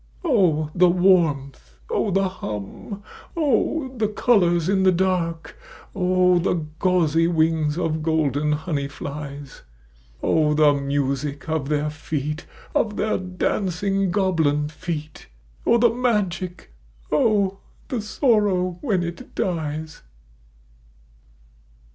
O ! the warmth ! O^! the hum ! O ! the colours in the dark ! O ! the gauzy wings of golden honey flies ! O ! the music of their feet — of their dancing goblin feet ! O ! the magic ! O ! the sorrow when it dies.